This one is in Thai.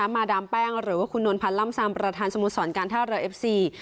มาดามแป้งหรือว่าคุณนวลพันธ์ล่ำซำประธานสโมสรการท่าเรือเอฟซี